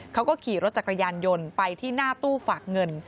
เขาก็ขี่รถจักรยานยนต์ไปที่หน้าตู้ฝากเงิน